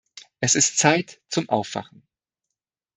Es ist Zeit zum Aufwachen!